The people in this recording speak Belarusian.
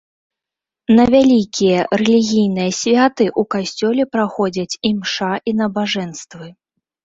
На вялікія рэлігійныя святы ў касцёле праходзяць імша і набажэнствы.